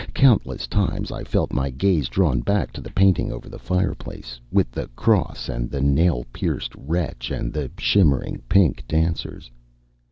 Countless times I felt my gaze drawn back to the painting over the fireplace, with the cross and the nail pierced wretch and the shimmering pink dancers.